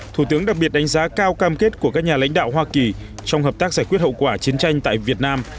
thủ tướng đặc biệt đánh giá cao cam kết của các nhà lãnh đạo hoa kỳ trong hợp tác giải quyết hậu quả chiến tranh tại việt nam